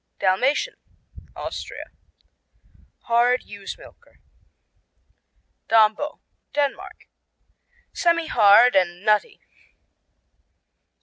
Dalmatian Austria Hard ewe's milker. Dambo Denmark Semihard and nutty.